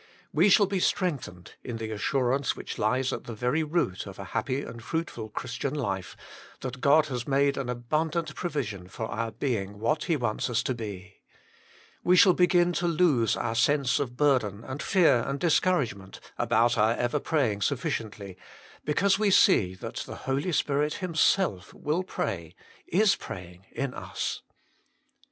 We shall be strengthened in the assurance which lies at the very root of a happy and fruitful Christian life, that God has made an abundant provision for our being what He wants us to be. THE SPIRIT OF SUPPLICATION 119 We shall begin to lose our sense of burden and fear and discouragement about our ever praying sufficiently, because we see that the Holy Spirit Himself will pray, is praying, in us.